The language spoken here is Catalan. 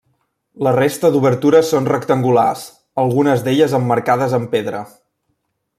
La resta d'obertures són rectangulars, algunes d'elles emmarcades amb pedra.